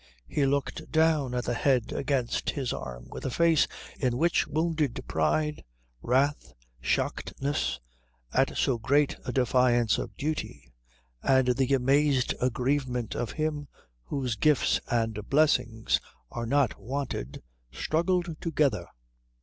He looked down at the head against his arm with a face in which wounded pride, wrath, shockedness at so great a defiance of duty, and the amazed aggrievement of him whose gifts and blessings are not wanted, struggled together.